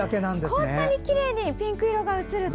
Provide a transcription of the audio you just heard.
こんなにきれいにピンク色が写ると。